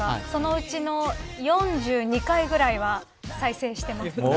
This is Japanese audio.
そのうちの４２回ぐらいは再生しています。